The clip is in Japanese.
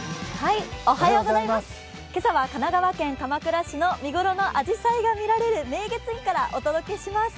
今朝は神奈川県鎌倉市の見頃のあじさいが見られる明月院からお届けします。